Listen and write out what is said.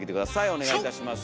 お願いいたします。